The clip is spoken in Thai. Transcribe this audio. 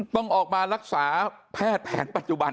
ต้องออกมารักษาแพทย์แผนปัจจุบัน